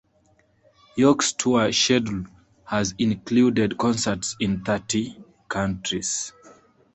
York's tour schedule has included concerts in thirty countries.